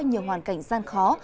nhiều hoàn cảnh gian khó